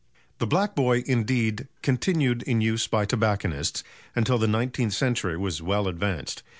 The "Black Boy," indeed, continued in use by tobacconists until the nineteenth century was well advanced.